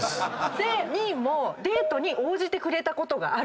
２位もデートに応じてくれたことがある。